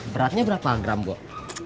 beratnya berapa gram pok